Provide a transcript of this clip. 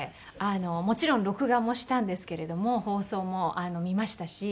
もちろん録画もしたんですけれども放送も見ましたし。